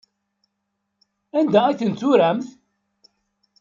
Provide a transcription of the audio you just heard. Anda ay tent-turamt?